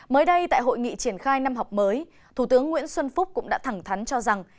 mới đây tại hội nghị triển khai năm học mới thủ tướng nguyễn xuân phúc cũng đã thẳng thắn cho rằng